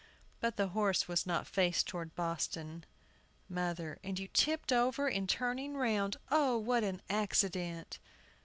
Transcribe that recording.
But the horse was not faced toward Boston. MOTHER. And you tipped over in turning round! Oh, what an accident!